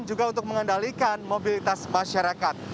juga untuk mengendalikan mobilitas masyarakat